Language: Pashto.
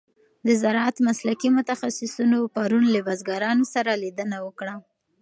د زراعت مسلکي متخصصینو پرون له بزګرانو سره لیدنه وکړه.